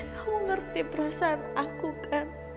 kamu ngerti perasaan aku kan